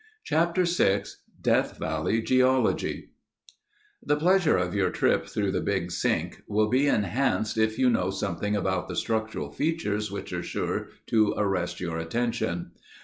Chapter VI Death Valley Geology The pleasure of your trip through the Big Sink will be enhanced if you know something about the structural features which are sure to arrest your attention.